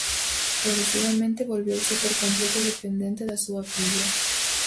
Progresivamente volveuse por completo dependente da súa filla.